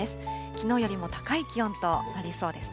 きのうよりも高い気温となりそうですね。